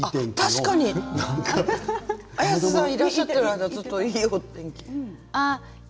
確かに、綾瀬さんがいらっしゃっている間いいお天気。